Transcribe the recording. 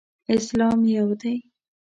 اسلام یو دی.